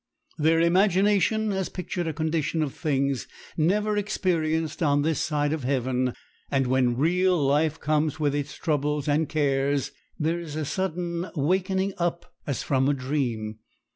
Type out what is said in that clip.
Their imagination has pictured a condition of things never experienced on this side of heaven, and when real life comes with its troubles and cares there is a sudden wakening up as from a dream.